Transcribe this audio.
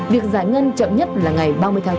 việc giải ngân chậm nhất là ngày ba mươi tháng bốn